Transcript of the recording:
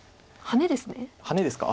ハネですか？